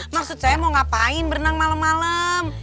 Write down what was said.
maksud saya mau ngapain berenang malem malem